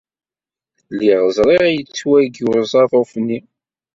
Lliɣ ẓriɣ ad yettwagi usaḍuf-nni.